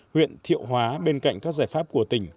huyện thiệu hóa bên cạnh các giải pháp của tỉnh